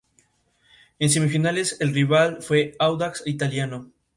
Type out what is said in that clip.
Estudiante de segundo año, Y miembro del equipo de natación.